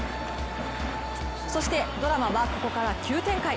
そしてドラマはここから急展開。